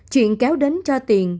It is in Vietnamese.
chuyện kéo đến cho tiền